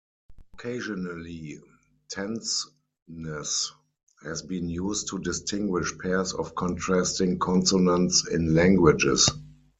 Occasionally, tenseness has been used to distinguish pairs of contrasting consonants in languages.